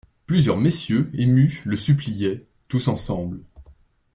Plusieurs messieurs émus le suppliaient, tous ensemble.